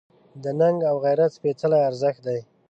دا ننګ و غیرت سپېڅلی ارزښت دی.